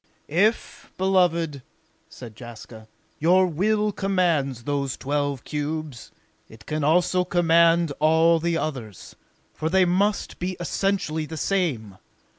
"If, beloved," said Jaska, "your will commands those twelve cubes, it can also command all the others, for they must be essentially the same.